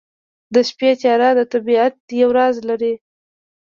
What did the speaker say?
د شپې تیاره د طبیعت یو راز لري.